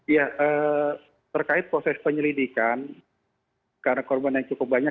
ya terkait proses penyelidikan karena korban yang cukup banyak